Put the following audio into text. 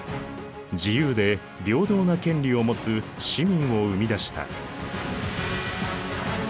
自由で平等な権利を持つ市民を生み出した。